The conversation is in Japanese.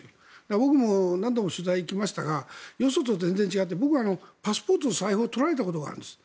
僕も何度も取材に行きましたがよそと全然違って僕、パスポートと財布を取られたことがあるんです。